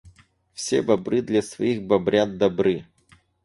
Все бобры для своих бобрят добры.